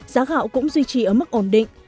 giá gạo cũng duy trì ở mức ổn định